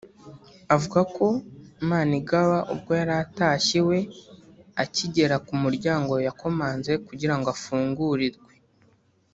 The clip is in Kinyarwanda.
avuga ko Manigaba ubwo yari atashye iwe akigera ku muryango yakomanze kugira ngo afungurirwe